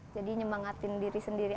jadi nyemangatin diri sendiri aja